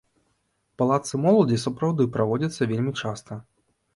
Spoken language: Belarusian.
Палацы моладзі сапраўды праводзяцца вельмі часта.